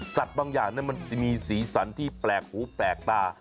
บางอย่างมันจะมีสีสันที่แปลกหูแปลกตา